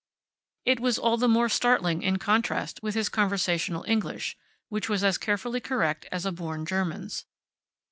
It was all the more startling in contrast with his conversational English, which was as carefully correct as a born German's.